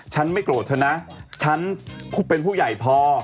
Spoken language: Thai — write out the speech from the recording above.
ไม่โกรธเธอนะฉันเป็นผู้ใหญ่พอ